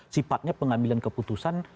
sifatnya pengambilan keputusan